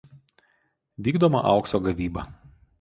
Vykdoma aukso gavyba.